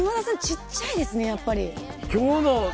小っちゃいですねやっぱり。